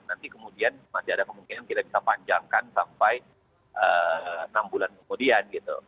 nanti kemudian masih ada kemungkinan kita bisa panjangkan sampai enam bulan kemudian gitu